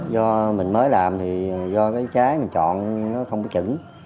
do mình mới làm thì do cái trái mình chọn nó không có chữ